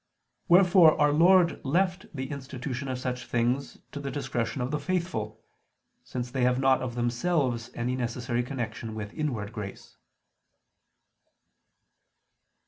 Wherefore Our Lord left the institution of such things to the discretion of the faithful, since they have not of themselves any necessary connection with inward grace.